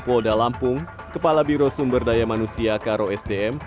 polda lampung kepala biro sumber daya manusia karo sdm